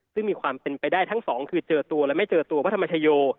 ซึ่งมีความเป็นไปได้ทั้งสองคือเจอตัวและไม่เจอตัวพระธรรมชโย